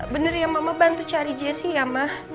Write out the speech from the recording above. bener ya mama bantu cari jessy ya ma